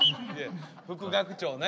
副学長ね。